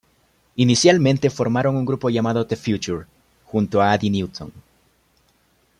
Inicialmente formaron un grupo llamado "The Future" junto a Adi Newton.